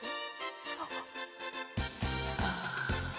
あっ！